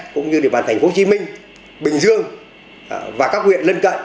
cũng như địa bàn thành phố hồ chí minh bình dương và các huyện lân cận